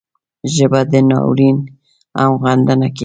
ژبه د ناورین هم غندنه کوي